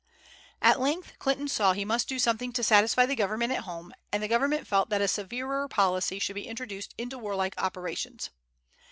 At length Clinton saw he must do something to satisfy the government at home, and the government felt that a severer policy should be introduced into warlike operations.